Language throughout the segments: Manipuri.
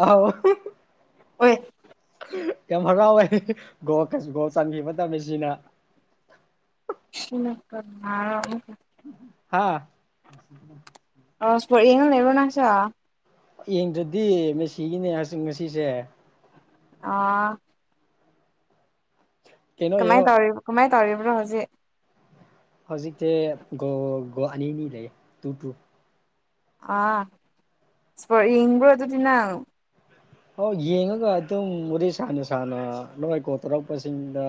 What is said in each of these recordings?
ꯑꯧ ꯑꯣꯏ ꯌꯥꯝ ꯍꯔꯥꯎꯋꯦ ꯒꯣꯜ ꯆꯟꯈꯤꯕ ꯃꯇꯅꯦ ꯁꯤꯅ [unintelligible] ꯍꯥꯥ ꯑ ꯏꯁꯄꯣꯔ ꯌꯦꯡ ꯂꯩꯕꯣ ꯅꯥꯥꯡꯁꯨ ꯌꯦꯡꯗ꯭ꯔꯗꯤ ꯃꯦꯁꯤꯒꯤꯅꯦ ꯉꯁꯤꯁꯦ ꯑꯥ ꯀꯩꯅꯣ ꯀꯃꯥꯏꯅ ꯌꯦꯡꯉꯣ ꯇꯧꯔꯤꯕ ꯀꯃꯥꯏꯅ ꯇꯧꯔꯤꯕ꯭ꯔꯣ ꯍꯧꯖꯤꯛ ꯍꯧꯖꯤꯛꯇꯤ ꯒꯣꯜ ꯑꯅꯤꯅꯤ ꯂꯩ ꯇꯨ ꯇꯨ ꯑ ꯏꯁꯄꯣꯔꯠ ꯌꯦꯡꯅꯤꯡꯕ꯭ꯔꯣ ꯑꯗꯨꯗꯤ ꯅꯡ ꯑꯣ ꯌꯦꯡꯉꯒ ꯑꯗꯨꯝ ꯕꯨꯗꯤ ꯁꯥꯅ ꯁꯥꯅ ꯅꯣꯏ ꯀꯣꯜ ꯇꯧꯔꯛꯄꯁꯤꯡꯗ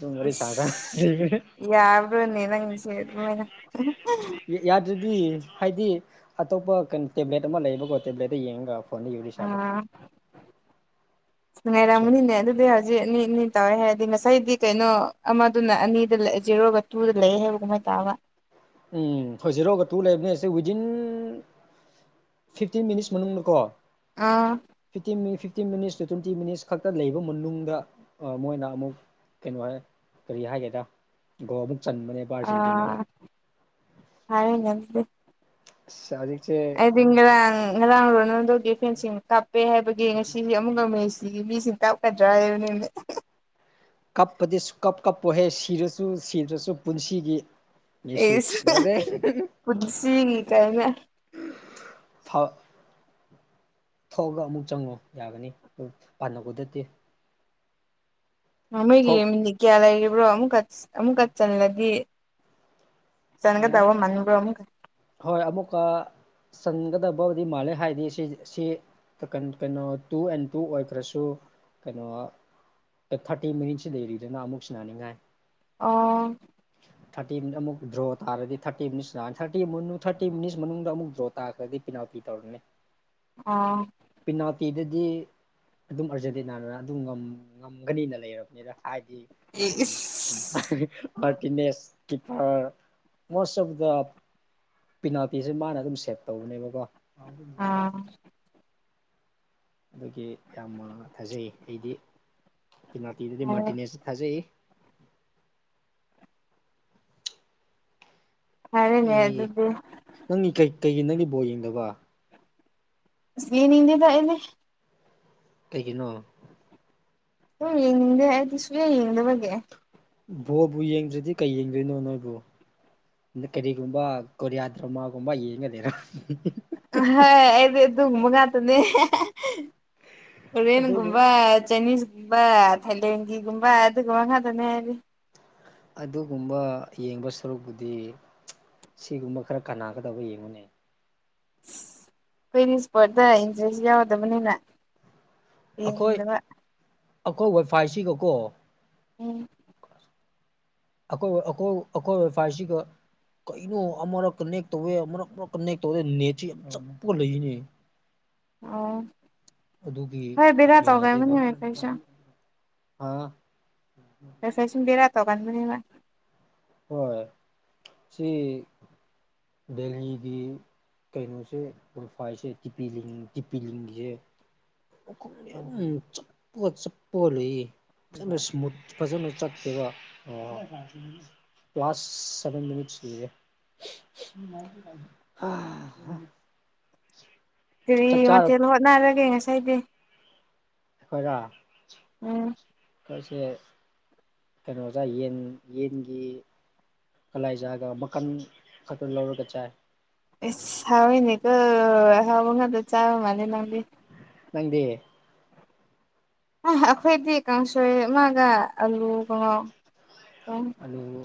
ꯑꯗꯨꯝ ꯋꯥꯔꯤ ꯁꯥ ꯁꯥ ꯏꯁ ꯌꯥꯕ꯭ꯔꯣꯅꯦ ꯅꯪꯁꯦ ꯑꯗꯨꯃꯥꯏꯅ ꯌꯥꯗ꯭ꯔꯗꯤ ꯍꯥꯏꯗꯤ ꯑꯇꯣꯞꯄ ꯀꯩꯅꯣ ꯇꯦꯕ꯭ꯂꯦꯠ ꯑꯃ ꯂꯩꯕꯀꯣ ꯇꯦꯕ꯭ꯂꯦꯠꯇ ꯌꯦꯡꯉꯒ ꯐꯣꯟꯗꯒꯤ ꯋꯥꯔꯤ ꯁꯥꯕ ꯁꯨꯝ ꯅꯨꯡꯉꯥꯏꯔꯝꯅꯤꯅꯦ ꯑꯗꯨꯗꯤ ꯍꯧꯖꯤ ꯑꯅꯤ ꯑꯅꯤ ꯇꯧꯋꯦ ꯍꯥꯏꯔꯗꯤ ꯉꯁꯥꯏꯗꯤ ꯀꯩꯅꯣ ꯑꯃꯗꯨꯅ ꯑꯅꯤꯗ ꯖꯦꯔꯣꯒ ꯇꯨꯗ ꯂꯩ ꯍꯥꯏꯕ ꯀꯃꯥꯏꯅ ꯇ ꯇꯕ ꯎꯝ ꯍꯣꯏ ꯖꯤꯔꯣꯒ ꯇꯨ ꯂꯩꯕꯅꯦꯁꯦ ꯋꯤꯗꯤꯟ ꯐꯤꯐꯇꯤꯟ ꯃꯤꯅꯤꯠꯁ ꯃꯅꯨꯡꯗꯀꯣ ꯑꯥ ꯐꯤꯞꯇꯤꯟ ꯃꯤꯅꯤꯠ ꯐꯤꯞ ꯐꯤꯞꯇꯤꯟ ꯃꯤꯅꯤꯠꯁ ꯇꯨꯇ꯭ꯋꯦꯟꯇꯤ ꯃꯤꯅꯤꯠꯁ ꯈꯛꯇ ꯂꯩꯕ ꯃꯅꯨꯡꯗ ꯃꯣꯏꯅ ꯑꯃꯨꯛ ꯀꯩꯅꯣ ꯀꯔꯤ ꯍꯥꯏ ꯒꯦꯗ ꯆꯟꯕꯅꯦꯕ ꯑꯔꯖꯦꯟꯇꯤꯅꯥꯅ ꯑꯥ ꯁꯔꯤ ꯍꯥꯏꯗꯤ ꯉꯔꯥꯡ ꯉꯔꯥꯡ ꯔꯣꯅꯥꯜꯗꯧꯒꯝ ꯐꯦꯟꯁꯤꯡ ꯀꯥꯞꯄꯦ ꯍꯥꯏꯕ ꯌꯦ ꯉꯁꯤ ꯑꯃꯨꯛ ꯉꯁꯤꯒꯤ ꯃꯤꯁꯤꯡ ꯀꯞꯀꯗ꯭ꯔꯥ ꯍꯥꯏꯕꯅꯤꯅꯦ ꯀꯞꯄꯗꯤ ꯁꯨꯀꯞ ꯀꯞꯄꯣꯏꯍꯦ ꯁꯤꯔꯁꯨ ꯁꯤꯗ꯭ꯔꯁꯨ ꯄꯨꯟꯁꯤꯒꯤ ꯃꯦꯁꯤ ꯑꯦꯁꯨ ꯂꯣꯏꯔꯦ ꯄꯨꯟꯁꯤꯒꯤ ꯀꯥꯏꯅ ꯊꯥꯎ ꯊꯣꯛꯑꯒ ꯑꯃꯨꯛ ꯆꯪꯉꯣ ꯌꯥꯒꯅꯤ ꯄꯥꯟꯅꯕꯗꯗꯤ ꯃꯃꯣꯏꯒꯤ ꯃꯤꯅꯤꯠ ꯀꯌꯥ ꯂꯩꯔꯤꯕ꯭ꯔꯣ ꯑꯃꯨꯛ ꯑꯃꯨꯛꯀ ꯆꯜꯂꯗꯤ ꯆꯟꯒꯗꯕ ꯃꯟꯕ꯭ꯔꯣ ꯍꯣꯏ ꯑꯃꯨꯛꯀ ꯆꯟꯒꯗꯕꯕꯨꯗꯤ ꯃꯥꯜꯂꯦ ꯍꯥꯏꯗꯤ ꯁꯤ ꯀꯩꯅꯣ ꯇꯨ ꯑꯦꯟ ꯇꯨ ꯑꯣꯏꯈ꯭ꯔꯁꯨ ꯀꯩꯅꯣ ꯊꯥꯔꯇꯤ ꯃꯤꯅꯤꯠꯁꯤ ꯂꯩꯔꯤꯗꯅ ꯑꯃꯨꯛ ꯁꯤꯟꯅꯅꯤꯡꯉꯥꯏ ꯑꯣ ꯊꯥꯔꯇꯤ ꯃꯤꯠ ꯑꯃꯨꯛ ꯗ꯭ꯔꯣ ꯇꯥꯔꯗꯤ ꯊꯥꯔꯇꯤ [unintelligible] ꯇꯤ ꯃꯣꯅꯨ ꯊꯥꯔꯇꯤ ꯃꯤꯅꯤꯁ ꯃꯅꯨꯡꯗ ꯑꯃꯨꯛ ꯗꯔꯣ ꯇꯥꯈ꯭ꯔꯗꯤ ꯄꯤꯅꯥꯜꯇꯤ ꯇꯧꯔꯅꯤ ꯑꯥ ꯄꯤꯗꯗꯤ ꯑꯗꯨꯝ ꯑ꯭ꯔꯖꯦꯟꯇꯤꯅꯥꯅ ꯑꯗꯨꯝ ꯉꯝ ꯉꯝꯒꯅꯤꯅ ꯂꯩꯔꯕꯅꯤꯗ ꯍꯥꯏꯗꯤ [unintelligible] Martinez keeper most of the ꯄꯤꯅꯥꯜꯇꯤꯁꯦ ꯃꯥꯅ ꯗꯨꯝ ꯁꯦꯞ ꯇꯧꯕꯅꯦꯕꯀꯣ [unintelligible] ꯑꯥ ꯑꯗꯨꯒꯤ ꯌꯥꯝꯅ ꯊꯥꯖꯩ ꯑꯩꯗꯤ ꯄꯤꯅꯥꯇꯤꯗꯗꯤ ꯐꯔꯦ ꯃꯥꯔꯇꯤꯅꯦꯁ ꯊꯥꯖꯩ ꯐꯔꯦꯅꯦ ꯑꯦ ꯑꯗꯨꯗꯤ ꯅꯪꯒꯤ ꯀꯩ ꯀꯩꯒꯤ ꯅꯪꯒꯤ ꯕꯣꯜ ꯌꯦꯡꯗꯕ ꯑ꯭ꯁ ꯌꯦꯡꯅꯤꯡꯗꯦꯗ ꯑꯩꯗꯤ ꯀꯩꯒꯤꯅꯣ ꯌꯦꯡꯅꯤꯡꯗꯦ ꯑꯩꯗꯤ ꯁꯨꯡꯌꯦꯡ ꯌꯦꯡꯗꯕꯒꯤ ꯅꯦ ꯕꯣꯜꯕꯨ ꯌꯦꯡꯗ꯭ꯔꯗꯤ ꯀꯩ ꯌꯦꯡꯗꯣꯏꯅꯣ ꯅꯣꯏꯕꯨ ꯗ ꯀꯔꯤ ꯒꯨꯝꯕꯥ ꯀꯣꯔꯤꯌꯥꯗ꯭ꯔꯃꯥ ꯒꯨꯝꯕ ꯌꯦꯉ ꯂꯩꯔ ꯑꯍꯣꯏ ꯑꯩꯗꯤ ꯑꯗꯨꯒꯨꯝꯕ ꯉꯥꯛꯇꯅꯦ ꯑꯗꯨꯕꯨ [unintelligible] [unintelligible] ꯆꯥꯏꯅꯤꯁ ꯕ ꯊꯥꯏꯂꯦꯟꯒꯤꯒꯨꯝꯕ ꯑꯗꯨꯒꯨꯝꯕ ꯉꯥꯇꯅꯦ ꯑꯩꯗꯤ ꯑꯗꯨꯒꯨꯝꯕ ꯌꯦꯡꯕ ꯁꯔꯨꯛꯄꯨꯗꯤ ꯁꯤꯒꯨꯝꯕ ꯈꯔ ꯀꯅꯥꯒꯗꯕ ꯌꯦꯡꯉꯨꯅꯦ ꯀꯩꯒꯤ ꯏ꯭ꯁꯄꯣꯠꯇ ꯏꯟꯇ꯭ꯔꯦꯁ ꯌꯥꯎꯗꯕꯅꯤꯅ ꯑꯩꯈꯣꯏ ꯌꯦꯡꯗꯕ [unintelligible] ꯎꯝ [unintelligible] ꯐꯥꯁꯤꯒ ꯀꯩꯅꯣ ꯑꯃꯔꯛ ꯀꯟꯅꯦꯛ ꯇꯧꯋꯦ ꯑꯃꯨꯔꯛ ꯄꯥꯛ ꯀꯟꯅꯦꯛ ꯇꯧꯋꯦ ꯅꯦꯠꯁꯤ ꯆꯞꯄꯒ ꯂꯩꯏꯅꯦ [unintelligible] ꯑꯗꯨꯒꯤ ꯍꯣꯏ ꯕꯦꯔꯥ ꯌꯥꯗꯦꯕ ꯇꯧꯒꯟꯕꯅꯦ ꯑꯩꯈꯣꯏꯁꯨ ꯍꯥ [unintelligible] ꯇꯧꯒꯟꯕꯅꯤꯕ ꯍꯣꯏ ꯁꯤ ꯗꯦꯜꯂꯤꯒꯤ ꯀꯩꯅꯣꯁꯦ ꯋꯥꯏꯐꯥꯏꯁꯦ ꯏꯄꯤꯂꯤꯡ ꯏꯄꯤꯂꯤꯡꯒꯤꯌꯦ [unintelligible] ꯆꯞꯄ ꯆꯞꯄ ꯂꯩꯌꯦ ꯐꯖꯟꯅ ꯁꯃꯨꯠ ꯐꯖꯅ ꯆꯠꯇꯦꯕ ꯀ꯭ꯂꯂꯥꯁ ꯁꯕꯦꯟ ꯃꯤꯅꯤꯠ [unintelligible] ꯑꯍꯥ ꯀꯔꯤ ꯃꯊꯦꯟ ꯍꯣꯠꯅꯔꯒꯦ ꯉꯁꯥꯏꯗꯤ ꯈꯣꯏꯔꯣ ꯎꯝ ꯈꯣꯏꯁꯦ ꯀꯩꯅꯣꯆꯥꯏ ꯌꯦꯟ ꯌꯦꯟꯒꯤ ꯀꯂꯥꯏꯖꯥꯒ ꯃꯀꯟ ꯈꯛꯇ ꯂꯧꯔꯒ ꯆꯥꯏ ꯏ꯭ꯁ ꯍꯥꯎꯋꯦꯅꯦꯀꯣ ꯍꯥꯎꯕ ꯉꯥꯇ ꯆꯥꯕ ꯃꯥꯜꯂꯦ ꯅꯪꯗꯤ ꯅꯪꯗꯤ ꯑ ꯑꯈꯣꯏꯗꯤ ꯀꯥꯡꯁꯣꯏ ꯑꯃꯒ ꯑꯥꯂꯨ ꯀꯥꯡꯉꯧ ꯑꯜꯂꯨ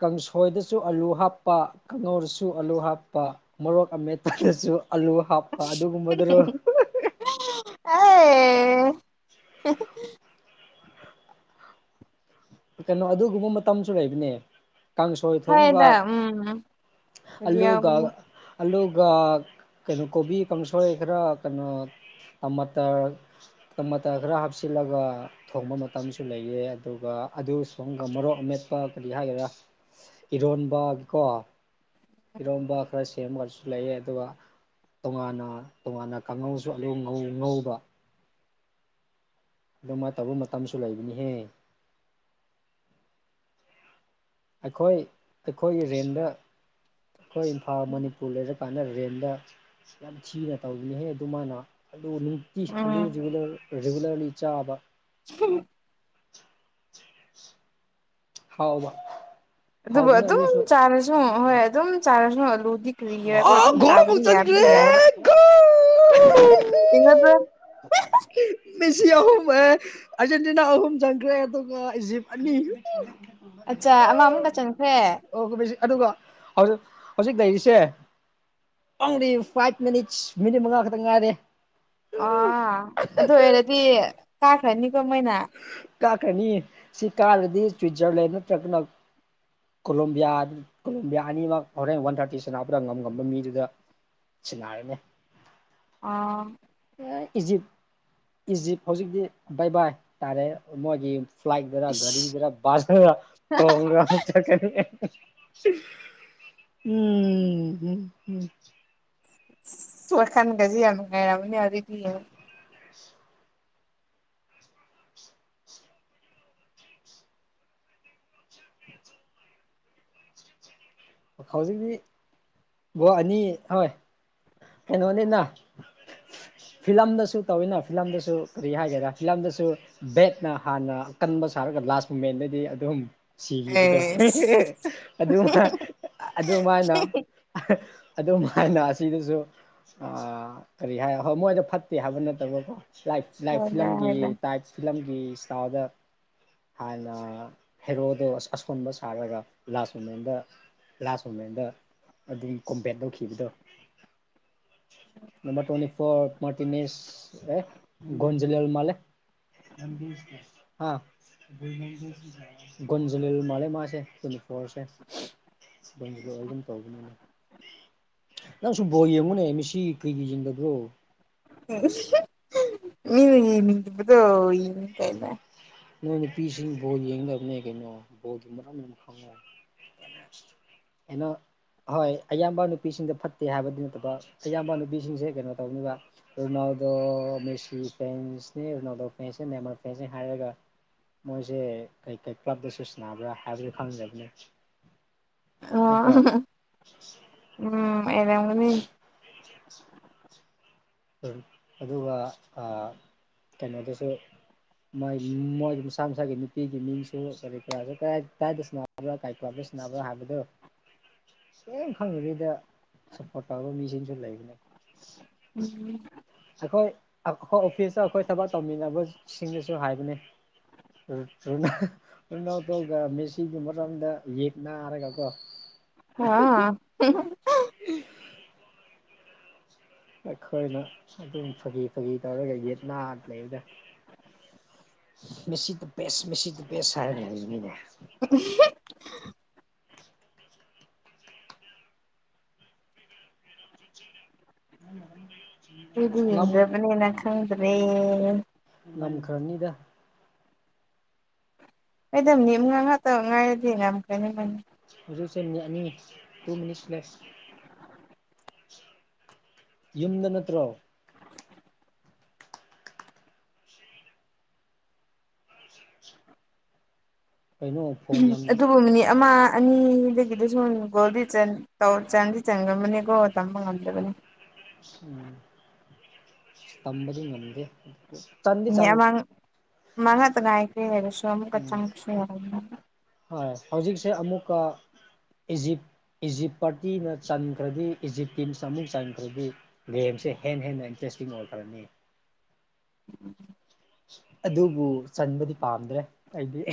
ꯀꯥꯡꯁꯣꯏꯗꯁꯨ ꯑꯥꯂꯨ ꯍꯥꯞꯄ ꯀꯥꯡꯉꯧꯗꯁꯨ ꯑꯥꯂꯨ ꯍꯥꯞꯄ ꯃꯣꯔꯣꯛ ꯑꯃꯦꯠꯄꯗꯁꯨ ꯑꯜꯂꯨ ꯍꯥꯞꯄ ꯑꯗꯨꯒꯒꯨꯝꯕꯗꯨꯔꯣ ꯑꯩ ꯀꯩꯅꯣ ꯑꯗꯨꯒꯨꯝꯕ ꯃꯇꯝꯁꯨ ꯂꯩꯕꯅꯦ ꯀꯥꯡꯁꯣꯏ ꯊꯣꯡꯒ ꯍꯣꯏꯗ ꯎꯝ ꯑꯗꯨꯗꯤ ꯑꯂꯨꯒ ꯌꯥꯎꯕꯅꯦ ꯑꯂꯨꯒ ꯀꯩꯅꯣ ꯀꯣꯕꯤ ꯀꯥꯡꯁꯣꯏ ꯈꯔ ꯀꯩꯅꯣ ꯇꯃꯥꯇꯔ ꯇꯃꯥꯇꯔ ꯈꯔ ꯍꯥꯞꯆꯤꯜꯂ ꯆꯠꯂꯒ ꯊꯣꯡꯕ ꯃꯇꯝꯁꯨ ꯂꯩꯑꯦ ꯑꯗꯨꯒ ꯑꯗꯨ ꯁꯣꯝꯒ ꯃꯔꯣꯛ ꯑꯃꯦꯠꯄ ꯀꯔꯤ ꯍꯥꯏꯒꯦꯔꯥ ꯏꯔꯣꯟꯕ ꯀꯣ ꯏꯔꯣꯝꯕ ꯈꯔ ꯁꯦꯝꯃꯒꯁꯨ ꯂꯩꯌꯦ ꯑꯗꯨꯒ ꯇꯣꯉꯥꯟꯅ ꯇꯣꯉꯥꯟꯅ ꯀꯥꯡꯉꯧꯁꯨ ꯑꯂꯨ ꯉꯧ ꯉꯧꯕ ꯑꯗꯨꯃꯥꯏꯅ ꯇꯧꯕ ꯃꯇꯝꯁꯨ ꯂꯩꯕꯅꯤꯍꯦ ꯑꯩꯈꯣꯏ ꯑꯩꯈꯣꯏꯒꯤ ꯔꯦꯟꯗ ꯑꯩꯈꯣꯏ ꯏꯝꯐꯥꯜ ꯃꯅꯤꯄꯨꯔ ꯂꯩꯔꯛ ꯀꯥꯟꯅ ꯔꯦꯟꯗ ꯌꯥꯝ ꯊꯤꯅ ꯇꯧꯕꯔꯤꯅꯤꯍꯩ ꯑꯗꯨ ꯃꯥꯅ ꯑꯗꯨ ꯅꯨꯡꯇꯤ ꯑꯗꯨ ꯎꯝ ꯔꯤ ꯔꯤꯒꯨꯂꯔꯂꯤ ꯆꯥꯕ ꯍꯍ ꯍꯥꯎꯕ ꯑꯗꯨꯕꯨ ꯍꯥꯎꯕꯅꯦ ꯑꯗꯨꯝ ꯑꯂꯨꯁꯨ ꯆꯥꯔꯁꯨ ꯍꯣꯏ ꯑꯗꯨꯝ ꯆꯥꯔꯁꯨ ꯑꯂꯨꯗꯤ ꯀꯔꯤꯒꯤꯔꯀꯣ ꯑꯣ ꯑꯗꯨꯝ ꯒꯣꯜ ꯃꯨꯛ ꯆꯥꯕꯗꯤ ꯌꯥꯕꯨꯗꯤ ꯆꯟꯒ꯭ꯔꯦꯍꯦ ꯌꯥꯏꯌꯦꯕ ꯑꯣꯜ [unintelligible] ꯃꯤꯁꯤ ꯑꯍꯨꯝ ꯑꯦ ꯑꯥꯔꯖꯦꯟꯇꯤꯅꯥ ꯑꯍꯨꯝ ꯆꯪꯈ꯭ꯔꯦ ꯑꯗꯨꯒ ꯏꯖꯤꯞ ꯑꯅꯤ ꯑꯆꯥ ꯑꯃ ꯑꯃꯨꯛꯀ ꯆꯟꯈ꯭ꯔꯦ ꯑꯣ ꯑꯗꯨꯒ ꯍꯧꯖꯤꯛ ꯍꯧꯖꯤꯛ ꯂꯩꯔꯤꯁꯤ ꯁꯦ ꯑꯣꯡꯂꯤ ꯐꯥꯏꯚ ꯃꯤꯅꯤꯠꯁ ꯃꯤꯅꯤꯠ ꯃꯉꯥ ꯈꯛꯇꯪ ꯉꯥꯏꯔꯦ ꯑꯥ ꯑꯗꯨ ꯑꯣꯏꯔꯗꯤ ꯀꯥꯈ꯭ꯔꯅꯤꯀꯣ ꯃꯣꯏꯅ ꯀꯥꯈ꯭ꯔꯅꯤ ꯁꯤ ꯀꯥꯔꯗꯤ ꯁ꯭ꯋꯤꯠꯖꯔꯂꯦꯟ ꯅꯠꯇ꯭ꯔꯒꯅ ꯀꯣꯂꯣꯝꯕꯤꯌꯥ ꯀꯣꯂꯣꯝꯕꯤꯌꯥ ꯑꯅꯤꯃꯛ ꯍꯣꯔꯦꯟ ꯋꯥꯟ ꯊꯥꯔꯇꯤ ꯁꯅꯥꯄꯗ ꯉꯝ ꯉꯝꯕ ꯃꯤꯗꯨꯗ [unintelligible] ꯑꯥ ꯏꯖꯤꯞ ꯏꯖꯤꯞ ꯍꯧꯖꯤꯛꯇꯤ ꯕꯥꯏ ꯕꯥꯏ ꯇꯥꯔꯦ ꯃꯣꯏꯒꯤ ꯐ꯭ꯂꯥꯏꯠꯗꯔ ꯏꯁ ꯒꯥꯔꯤꯗꯔ ꯕꯥꯔ ꯇꯣꯡꯂꯒ ꯆꯠꯈ꯭ꯔꯅꯤ ꯎꯝ ꯎꯝ ꯎꯝ ꯋꯥꯈꯟꯒꯁꯤ ꯌꯥꯝ ꯅꯨꯉꯥꯏꯔꯝꯅꯤ ꯍꯧꯖꯤꯛꯇꯤ ꯌꯦꯡꯉꯣ ꯑꯁ ꯍꯧꯖꯤꯛꯇꯤ ꯒꯣꯜ ꯑꯅꯤ ꯍꯣꯏ ꯀꯩꯅꯣꯅꯤꯅ ꯐꯤꯂꯝꯗꯁꯨ ꯇꯧꯋꯤꯅ ꯐꯤꯂꯝꯗꯁꯨ ꯀꯔꯤ ꯍꯥꯏꯒꯦꯔꯥ ꯐꯤꯂꯝꯗꯁꯨ ꯕꯦꯠꯅ ꯍꯥꯟꯅ ꯀꯟ ꯑꯃ ꯁꯥꯔꯒ ꯂꯥꯁ ꯃꯦꯟꯗꯗꯤ ꯑꯗꯨꯝ ꯁꯤꯈꯤꯕꯗꯣ ꯑꯦꯁ ꯑꯗꯨꯃ ꯑꯗꯨꯃꯥꯏꯅ ꯑꯗꯨꯝꯥꯏꯅ ꯑꯁꯤꯗꯁꯨ ꯑꯥ ꯀꯔꯤ ꯍꯥꯏ ꯍꯣꯏ ꯃꯣꯏꯗ ꯐꯠꯇꯦ ꯍꯥꯏꯕ ꯅꯠꯇꯕꯀꯣ ꯂ ꯂꯥꯏꯐ ꯍꯣꯏꯗ ꯐꯤꯂꯝꯒꯤ ꯍꯣꯏꯗ ꯇꯥꯏꯞ ꯐꯤꯂꯝꯒꯤ ꯁꯥꯎꯗ ꯍꯥꯟꯅ ꯍꯦꯔꯣꯗꯣ ꯑꯁꯣꯟꯕ ꯁꯥꯔꯒ ꯂꯥꯁ ꯃꯣꯃꯦꯟꯗ ꯂꯥꯁ ꯃꯣꯃꯦꯟꯗ ꯑꯗꯨꯝ ꯀꯣꯝꯄꯦꯠ ꯇꯧꯈꯤꯕꯗꯣ ꯅꯝꯕꯔ ꯇ꯭ꯋꯦꯟꯇꯤ ꯐꯣꯔ ꯃꯥꯔꯇꯤꯅꯤꯁ ꯑꯦ ꯒꯣꯜ ꯆꯜꯂ ꯃꯥꯂꯦ ꯍꯥ ꯒꯣꯟ ꯖꯤꯜꯂꯔ ꯃꯥꯜꯂꯦ ꯁꯣꯔꯁꯦ ꯑꯗꯨꯝꯗ ꯑꯗꯨꯝ ꯇꯧꯒꯅꯤꯅꯦ ꯅꯪꯁꯨ ꯕꯣꯜ ꯌꯦꯡꯉꯨꯅꯦ ꯃꯤꯁꯤ ꯀꯩꯒꯤ ꯌꯦꯡꯗꯕ꯭ꯔꯣ ꯃꯤꯗꯣ ꯌꯦꯡꯅꯤꯡꯗꯕꯗꯨ ꯌꯦꯡꯅꯤꯡꯗꯦꯅ ꯅꯣꯏ ꯅꯨꯄꯤꯁꯤ ꯕꯣꯜ ꯌꯦꯡꯗꯕꯅꯦ ꯀꯩꯅꯣ ꯕꯣꯗꯨ ꯃꯔꯝ ꯌꯥꯝ ꯈꯪꯉꯣ ꯀꯩꯅꯣ ꯍꯣꯏ ꯑꯌꯥꯝꯕ ꯅꯨꯄꯤꯁꯤꯡꯗ ꯐꯠꯇꯦ ꯍꯥꯏꯕꯗꯤ ꯅꯠꯇꯕ ꯑꯌꯥꯝꯕ ꯅꯨꯄꯤꯁꯤꯡꯁꯦ ꯀꯩꯅꯣ ꯇꯧꯅꯤꯕ ꯗꯣ ꯃꯦꯁꯤ ꯐ꯭ꯔꯦꯟꯁꯅꯦ ꯔꯣꯅꯥꯜꯗꯣ ꯐ꯭ꯔꯦꯟꯁꯅꯦ ꯅꯦꯃꯜ ꯐꯦꯟꯁꯅꯦ ꯍꯥꯏꯔꯒ ꯃꯣꯏꯁꯦ ꯀꯩꯀꯩ ꯀ꯭ꯂꯕꯇꯁꯨ ꯁꯅꯕ꯭ꯔꯥ ꯍꯥꯏꯕꯗꯨ ꯈꯪꯗꯕꯅꯦ ꯑꯣ ꯅꯠꯇ꯭ꯔꯣ ꯍꯥꯍꯥ ꯎꯝ ꯑꯣꯏꯔꯝꯒꯅꯤ ꯑꯗꯨꯒ ꯑꯥ ꯀꯩꯅꯣꯗꯁꯨ ꯃꯣꯏ ꯃꯣꯏ ꯃꯁꯥ ꯃꯁꯥꯒꯤ ꯅꯨꯄꯤꯒꯤ ꯃꯤꯡꯁꯨ ꯀꯔꯤ ꯀꯔꯁꯨ ꯀꯥ ꯀꯗꯥꯏꯗ ꯁꯅꯕ꯭ꯔꯥ ꯁꯅꯕ꯭ꯔꯥ ꯍꯥꯏꯕꯗꯣ ꯀꯦꯝ ꯈꯪꯗꯕꯤꯗ ꯁꯞꯄꯣꯔꯠ ꯇꯧꯔꯕ ꯃꯤꯁꯤꯡꯁꯨ ꯂꯩꯕꯅꯦ ꯎꯝ ꯍꯣꯏ ꯑꯩꯈꯣꯏ ꯑꯩꯈꯣꯏ ꯑꯣꯐꯤꯁꯇ ꯑꯩꯈꯣꯏ ꯊꯕꯛ ꯇꯧꯃꯤꯟꯅꯕꯁꯤꯡꯅꯁꯨ ꯍꯥꯏꯕꯅꯤ ꯔꯣꯅꯥꯜꯗꯣꯒ ꯃꯦꯁꯤꯒꯤ ꯃꯔꯝꯗ ꯌꯦꯛ ꯅꯥꯔꯒꯀꯣ ꯍꯥ ꯍꯤꯍꯤꯍꯤ ꯎꯝ ꯑꯩꯈꯣꯏꯅ ꯑꯗꯨꯝ ꯐꯥꯒꯤ ꯐꯥꯒꯤ ꯇꯧꯔꯒ ꯌꯦꯠꯅꯥ ꯂꯩꯕꯗꯣ ꯃꯦꯁꯤꯗ ꯕꯦꯁ ꯃꯤꯁꯤꯗ ꯕꯦꯁ ꯍꯥꯏꯔꯥ ꯂꯩꯍꯧꯕꯅꯤꯅꯦ ꯎꯝ ꯈꯣꯏꯗꯤ ꯌꯦꯡꯗꯕꯅꯤꯅ ꯈꯪꯗ꯭ꯔꯦ ꯐꯅꯤꯗ ꯑꯩꯗꯣ ꯃꯦꯝ ꯉꯥꯛꯉꯛꯇ ꯉꯥꯏꯔꯗꯤꯅ ꯉꯝꯈ꯭ꯔꯅꯤ [unintelligible] ꯅꯤ ꯇꯨ ꯃꯤꯅꯤꯠꯁ ꯂꯦꯁ ꯌꯨꯝꯗ ꯅꯠꯇ꯭ꯔꯣ ꯀꯩꯅꯣ ꯐꯣꯟ ꯎꯍꯝ ꯌꯥꯝ ꯑꯗꯨꯕꯨ ꯃꯤꯅꯤꯠ ꯑꯃ ꯑꯅꯤꯗꯨꯒꯤꯗꯨꯁꯨ ꯒꯣꯜꯗꯤ ꯆꯟ ꯇꯧ ꯆꯥꯟꯗꯤ ꯆꯟꯂꯃꯅꯤꯀꯣ ꯇꯝꯕ ꯉꯝꯗꯕꯅꯤ ꯎꯝ ꯇꯝꯕꯗꯤ ꯉꯝꯗꯦ ꯆꯟꯗꯤ ꯆꯟ ꯃꯥ ꯉꯥꯛꯇ ꯉꯥꯏꯈꯔꯦꯅꯦ ꯃꯁꯨ ꯑꯃꯨꯛꯀ ꯎꯝ ꯆꯪ ꯁꯨ ꯑꯃꯨꯀꯥ ꯍꯣꯏ ꯍꯧꯖꯤꯛꯁꯦ ꯑꯃꯨꯛꯀ ꯏꯖꯤꯞ ꯏꯖꯤꯞ ꯄꯥꯔꯇꯤꯅ ꯆꯟꯈ꯭ꯔꯗꯤ ꯏꯖꯤꯞꯇꯟꯁ ꯑꯃꯨꯛ ꯆꯟꯈ꯭ꯔꯗꯤ ꯒꯦꯝꯁꯦ ꯍꯦꯟꯅ ꯍꯦꯟꯅ ꯏꯟꯇꯔꯦꯁ ꯇꯤꯡ ꯑꯣꯏꯈ꯭ꯔꯅꯤ ꯑꯗꯨꯕꯨ ꯆꯟꯕꯗꯤ ꯄꯥꯝꯗ꯭ꯔꯦ ꯑꯩꯗꯤ ꯑꯍꯤ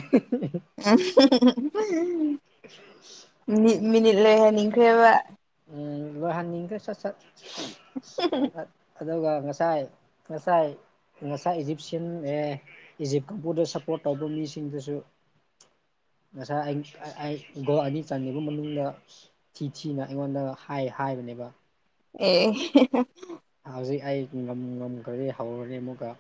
ꯑꯥꯍꯤꯍꯤꯍꯤ ꯎꯝ ꯃꯤꯠ ꯃꯤꯅꯤꯠ ꯂꯣꯏ ꯍꯟꯅꯤꯡꯈ꯭ꯔꯦꯕ ꯎꯝ ꯂꯣꯏꯍꯟꯅꯤꯡꯗ꯭ꯔꯦ ꯁꯠ ꯁꯠ ꯑꯗꯨꯒ ꯉꯁꯥꯏ ꯉꯁꯥꯏ ꯉꯁꯥꯏ ꯏꯖꯤꯞꯁꯤꯌꯥꯟ ꯑꯦ ꯏꯖꯤꯞ ꯀꯥꯡꯕꯨꯗ ꯁꯞꯄꯣꯔꯠ ꯇꯧꯕ ꯃꯤꯁꯤꯡꯗꯨꯁꯨ ꯉꯁꯥꯏ ꯑꯩ ꯒꯣꯜ ꯑꯅꯤ ꯆꯟꯈꯤꯕ ꯃꯅꯨꯡꯗ ꯊꯤ ꯊꯤꯅ ꯑꯩꯉꯣꯟꯗ ꯍꯥꯏ ꯍꯥꯏꯕꯅꯦꯕ ꯑꯦ ꯍꯧꯖꯤꯛ ꯑꯩ ꯉꯝ ꯉꯝꯈ꯭ꯔꯗꯤ ꯍꯧꯔꯅꯤ ꯑꯃꯨꯛꯀ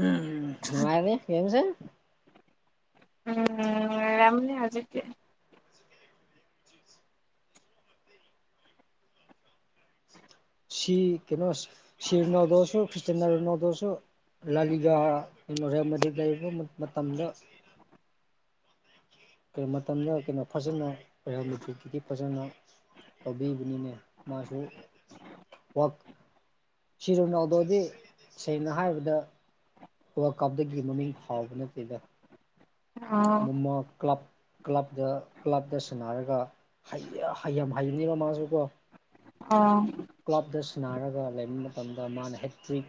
ꯎꯝ ꯅꯨꯡꯉꯥꯏꯅꯤ ꯒꯦꯝꯁꯦ ꯎꯝ ꯅꯨꯉꯥꯏꯔꯝꯅꯤ ꯍꯧꯖꯤꯗꯤ ꯁꯤ ꯀꯩꯅꯣ ꯁꯤꯔꯣꯅꯥꯜꯗꯣꯁꯨ ꯈ꯭ꯤꯁꯇꯥꯟꯅꯣ ꯔꯣꯅꯥꯜꯗꯣꯁꯨ ꯂꯂꯤꯒꯥ ꯔꯣꯌꯦꯜ ꯃꯦꯗ꯭ꯔꯤꯗ ꯂꯩꯔꯤꯕ ꯃꯇꯝꯗ [unintelligible] ꯀꯣ ꯃꯇꯝꯗ ꯀꯩꯅꯣ ꯐꯖꯅ ꯔꯣꯌꯦꯜ ꯃꯦꯇ꯭ꯔꯤꯛꯀꯤꯗꯤ ꯐꯖꯅ ꯂꯧꯕꯤꯕꯅꯤꯅꯦ ꯃꯥꯁꯨ ꯋꯥꯛ ꯁꯤꯔ ꯅꯥꯎꯗꯣꯗꯤ ꯁꯦꯡꯅ ꯍꯥꯏꯕꯗ ꯋꯥꯔꯜ ꯀꯞꯇꯒꯤ ꯃꯃꯤꯡ ꯐꯥꯎꯕ ꯅꯠꯇꯦꯕ ꯑꯣ ꯃꯃꯥ ꯀ꯭ꯂꯞ ꯀ꯭ꯂꯕꯇ ꯀ꯭ꯂꯕꯇ ꯁꯥꯟꯅꯔꯒ ꯍꯩ ꯌꯥ ꯌꯥꯝ ꯍꯩꯕꯅꯦꯅ ꯃꯥꯁꯨꯀꯣ ꯑꯣ ꯀ꯭ꯂꯥꯕꯇ ꯁꯥꯟꯅꯔꯒ ꯂꯩꯕ ꯃꯇꯝꯗ ꯃꯥꯅ ꯍꯦꯇ꯭ꯔꯤꯛ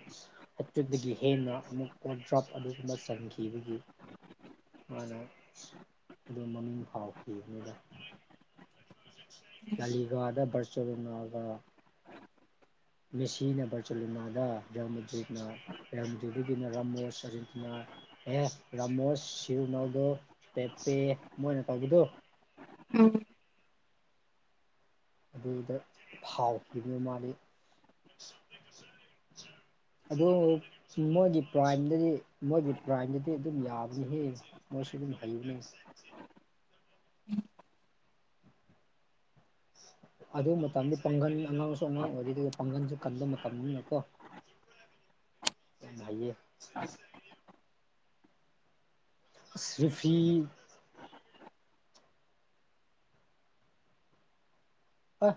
ꯍꯦꯇ꯭ꯔꯤꯛꯇꯒꯤ ꯍꯦꯟꯅ ꯑꯃꯨꯛ ꯗ꯭ꯔꯣꯞ ꯑꯗꯨꯒꯨꯝꯕ ꯆꯟꯈꯤꯕꯒꯤ ꯃꯥꯅ ꯑꯗꯨ ꯃꯃꯤꯡ ꯐꯥꯎꯈꯤꯅꯤꯗ ꯂꯂꯤꯒꯥꯗ ꯕꯔꯆꯦꯂꯣꯅꯥꯒ ꯃꯦꯁꯤꯅ ꯚꯔꯆꯦꯂꯣꯅꯥꯗ ꯔꯦꯜ ꯃꯦꯗ꯭ꯔꯤꯗꯅ ꯔꯦꯜ ꯃꯦꯗ꯭ꯔꯤꯗ ꯗꯨꯒꯤꯅ ꯔꯥꯃꯣꯁ ꯑꯥꯔꯖꯦꯟꯇꯤꯅꯥ ꯑꯦꯁ ꯔꯥꯃꯣꯁ ꯁꯤꯔꯨꯅꯥꯜꯗꯣ ꯄꯦꯥꯄꯦ ꯃꯣꯏꯅ ꯇꯧꯕꯗꯣ ꯎꯝ ꯑꯗꯨꯗ ꯐꯥꯎꯈꯤꯕꯅꯦ ꯃꯥꯜꯂꯤ [inaudible] ꯑꯗꯨ ꯃꯣꯏꯒꯤ ꯄ꯭ꯔꯥꯏꯝꯗꯗꯤ ꯃꯣꯏꯒꯤ ꯄ꯭ꯔꯥꯏꯝꯗꯗꯤ ꯑꯗꯨꯝ ꯌꯥꯕꯅꯤ ꯍꯦ ꯃꯣꯏꯁꯨ ꯗꯨꯝ ꯍꯩꯕꯅꯦ [inaudible] [inaudible] ꯑꯗꯨ ꯃꯇꯝꯗ ꯄꯪꯒꯟ ꯑꯉꯥꯡꯁꯨ ꯑꯉꯥꯡ ꯑꯣꯏꯔꯤ ꯑꯗꯨꯒ ꯄꯪ ꯒꯟꯁꯨ ꯀꯟꯕ ꯃꯇꯝꯅꯤꯅꯀꯣ [unintelligible] ꯑꯁ ꯔꯦꯐꯤ ꯑꯥ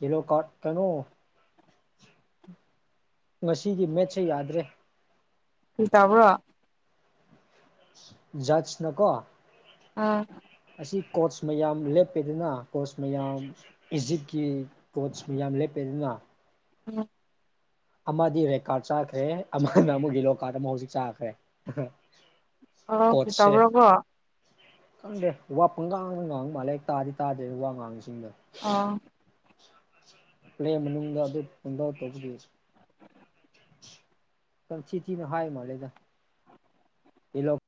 ꯌꯦꯂꯣ ꯀꯥꯔꯠ ꯀꯩꯅꯣ ꯉꯁꯤꯒꯤ ꯃꯦꯠꯁꯁꯦ ꯌꯥꯗ꯭ꯔꯦ ꯀ꯭ꯔꯤ ꯇꯥꯕ꯭ꯔꯣ ꯖꯠꯁ ꯅꯀꯣ ꯑꯥ ꯑꯁꯤ ꯀꯣꯆ ꯃꯌꯥꯝ ꯂꯦꯞꯄꯦꯗꯅ ꯀꯣꯆ ꯃꯌꯥꯝ ꯏꯖꯤꯞꯀꯤ ꯀꯣꯆ ꯃꯌꯥꯝ ꯂꯦꯞꯄꯦꯗꯅ ꯎꯝ ꯑꯃꯗꯤ ꯔꯦꯠ ꯀꯥꯔꯠ ꯆꯥꯈ꯭ꯔꯦ ꯑꯃꯅ ꯑꯃꯨꯛ ꯌꯦꯂꯣ ꯀꯥꯔꯠ ꯑꯃ ꯍꯧꯖꯤꯛ ꯆꯥꯈ꯭ꯔꯦ ꯑꯣ ꯀ꯭ꯔꯤ ꯀꯣꯆꯁꯦ ꯇꯧꯕ꯭ꯔꯥꯀꯣ [unintelligible] ꯈꯪꯗꯦ ꯋꯥ ꯄꯪꯉꯥꯡꯗꯉꯥꯡꯕ ꯃꯥꯜꯂꯦ ꯑꯩ ꯇꯥꯗꯤ ꯇꯥꯗꯦ ꯋꯥ ꯉꯥꯡꯉꯤꯁꯤꯡꯗꯣ ꯑꯥ ꯄ꯭ꯂꯦꯟ ꯃꯅꯨꯡꯗ ꯑꯗꯨ ꯄꯨꯡꯇꯧ ꯇꯧꯕꯗꯤ ꯀꯟꯊꯤꯊꯤꯅ ꯍꯥꯏ ꯃꯥꯜꯂꯦꯗ ꯏꯂꯣꯞ